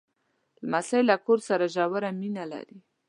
لمسی له کور سره ژوره مینه لري.